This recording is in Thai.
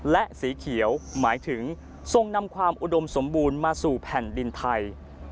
และสีเขียวหมายถึงทรงนำความอุดมสมบูรณ์มาสู่แผ่นดินไทย